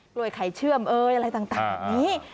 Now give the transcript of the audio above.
ลวยไข่เชื่อมเอ้ยอะไรต่างนี้